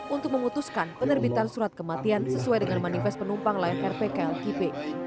untuk mengutuskan penerbitan surat kematian sesuai dengan manifest penumpang lain rpklkp